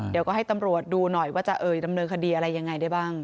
เดี๋ยวก็ให้ตำรวจดูหน่อยว่าจะเอ่ยดำเนินคดีอะไรยังไงได้บ้าง